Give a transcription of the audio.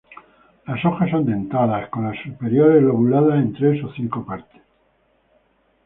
Las hojas son dentadas, con las superiores lobuladas en tres o cinco partes.